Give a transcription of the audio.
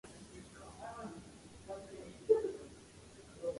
A prostitute accidentally kicks a man's Rolex into the water, infuriating him.